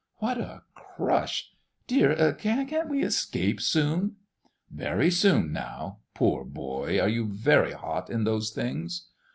What a crush! Dear, can't we escape soon....?" "Very soon now—poor boy, are you very hot in those things?"